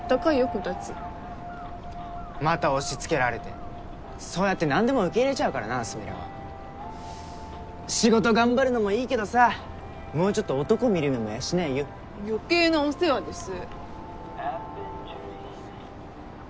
コタツまた押しつけられてそうやって何でも受け入れちゃうからなスミレは仕事頑張るのもいいけどさもうちょっと男見る目も養えよ余計なお世話です